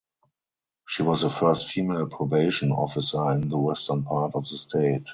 She was the first female probation officer in the western part of the state.